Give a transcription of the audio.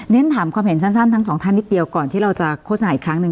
ฉันถามความเห็นสั้นทั้งสองท่านนิดเดียวก่อนที่เราจะโฆษณาอีกครั้งหนึ่ง